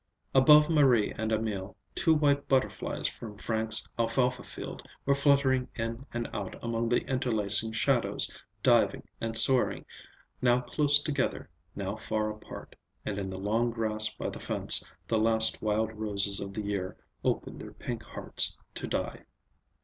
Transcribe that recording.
Above Marie and Emil, two white butterflies from Frank's alfalfa field were fluttering in and out among the interlacing shadows; diving and soaring, now close together, now far apart; and in the long grass by the fence the last wild roses of the year opened their pink hearts to die.